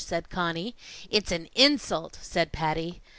said Conny. "It's an insult!" said Patty.